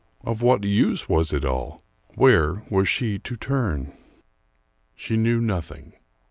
Of what use was it all? Where was she to turn? She knew nothing.